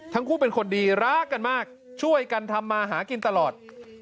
ทั้งคู่เป็นคนดีรักกันมากช่วยกันทำมาหากินตลอด